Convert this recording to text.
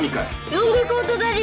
ロングコートダディ